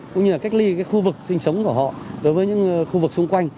cũng như là cách ly khu vực sinh sống của họ đối với những khu vực xung quanh